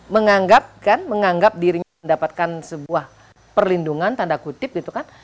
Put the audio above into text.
menganggap kan menganggap dirinya mendapatkan sebuah perlindungan tanda kutip gitu kan